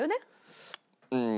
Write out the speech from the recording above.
うん。